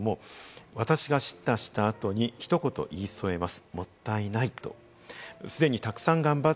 私が叱咤した後にひとこと言い添えます。